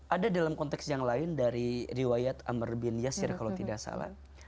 ada dalam konteks yang lain dari riwayat amr bin yasir kalau tidak salah